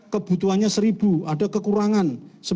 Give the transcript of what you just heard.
kebutuhannya seribu ada kekurangan sembilan ratus empat puluh delapan